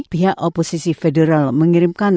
pihak oposisi federal mengirimkan